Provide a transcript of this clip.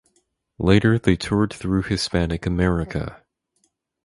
Later they toured through Hispanic America.